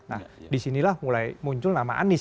nah disinilah mulai muncul nama anies